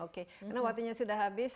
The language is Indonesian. karena waktunya sudah habis